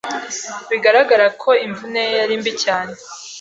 Bigaragara ko imvune ye yari mbi cyane.